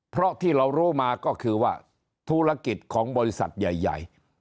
เพราะที่เรารู้มาก็คือว่าธุรกิจของบริษัทใหญ่